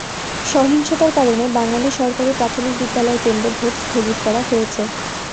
সহিংসতার কারণে বাঙালি সরকারি প্রাথমিক বিদ্যালয় কেন্দ্রে ভোট স্থগিত করা হয়েছে।